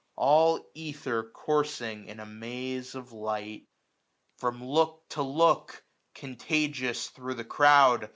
All ether coursing in a maze of light. AUTUMN. t53 From look to look, contagious thro' the crowd.